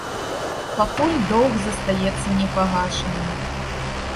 Пакуль доўг застаецца непагашаным.